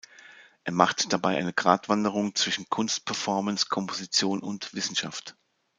Er macht dabei eine Gratwanderung zwischen Kunst-Performance, Komposition und Wissenschaft.